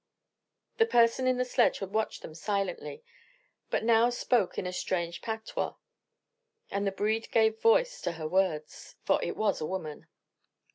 The person in the sledge had watched them silently, but now spoke in a strange patois, and the breed gave voice to her words, for it was a woman.